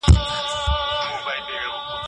زه به دا سپېڅلی کتاب په ډېر درناوي ښکل کړم.